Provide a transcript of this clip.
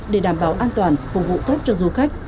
để đảm bảo an toàn phục vụ tốt cho du khách